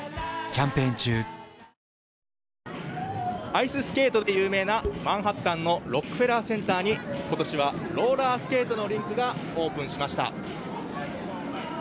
アイススケートで有名なマンハッタンのロックフェラーセンターに今年はローラースケートのリンクがオープンしました。